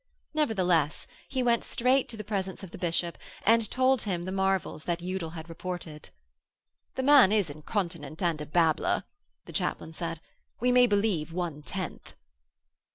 Nevertheless, he went straight to the presence of the bishop, and told him the marvels that Udal had reported. 'The man is incontinent and a babbler,' the chaplain said. 'We may believe one tenth.'